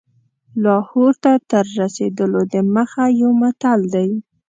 لاهور ته تر رسېدلو دمخه یو متل دی.